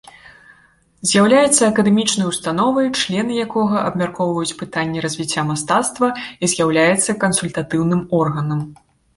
З'яўляецца акадэмічнай установай, члены якога абмяркоўваюць пытанні развіцця мастацтва і з'яўляецца кансультатыўным органам.